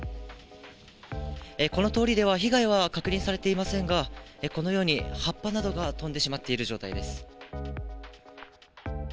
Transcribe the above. この通りでは、被害は確認されていませんが、このように葉っぱなどが飛んでしまっている状態です。